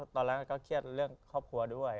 ตอนแรกก็เครียดเรื่องครอบครัวด้วย